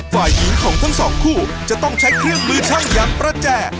ฝ่ายหญิงของทั้งสองคู่จะต้องใช้เครื่องมือช่างอย่างประแจ